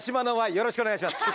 よろしくお願いします。